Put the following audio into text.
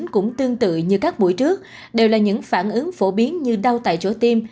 cũng tương tự như các mũi trước đều là những phản ứng phổ biến như đau tại chỗ tiêm